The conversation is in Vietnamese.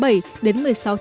tại thành phố hồ chí minh